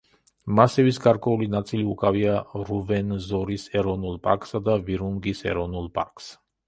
მასივის გარკვეული ნაწილი უკავია რუვენზორის ეროვნულ პარკსა და ვირუნგის ეროვნულ პარკს.